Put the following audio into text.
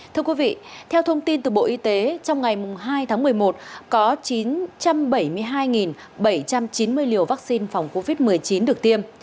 thưa quý vị theo thông tin từ bộ y tế trong ngày hai tháng một mươi một có chín trăm bảy mươi hai bảy trăm chín mươi liều vaccine phòng covid một mươi chín được tiêm